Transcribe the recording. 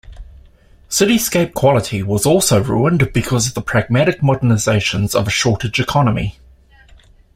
Cityscape quality was also ruined because of the pragmatic modernizations of a shortage-economy.